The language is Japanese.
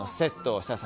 設楽さん